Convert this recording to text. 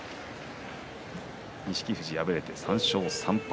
錦富士、敗れて３勝３敗。